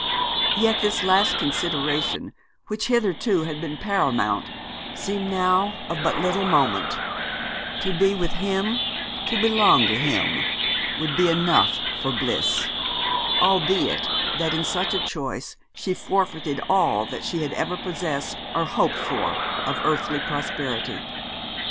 Yet this last consideration, which hitherto had been paramount, seemed now of but little moment. To be with him, to belong to him, would be enough for bliss. Albeit that in such a choice she forfeited all that she had ever possessed or hoped for of earthly prosperity.